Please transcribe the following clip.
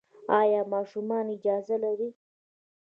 ایا ماشومان اجازه لري؟